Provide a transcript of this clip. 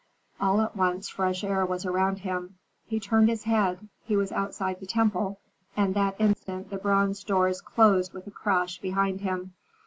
All at once fresh air was around him. He turned his head he was outside the temple, and that instant the bronze doors closed with a crash behind him.